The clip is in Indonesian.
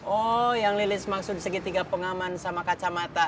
oh yang lilis maksud segitiga pengaman sama kacamata